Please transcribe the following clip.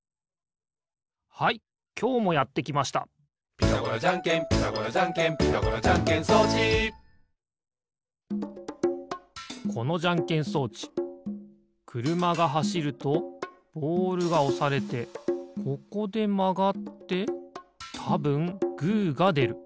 「ピタゴラじゃんけんピタゴラじゃんけん」「ピタゴラじゃんけん装置」このじゃんけん装置くるまがはしるとボールがおされてここでまがってたぶんグーがでる。